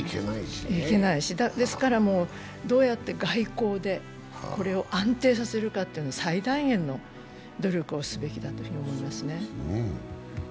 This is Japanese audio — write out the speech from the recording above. ですからどうやって外交でこれを安定させるかというのに最大限の努力をすべきだと思いますね。